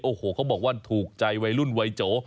โอ้โหเขาบอกว่าถูกใจวัยรุ่นวัยโจ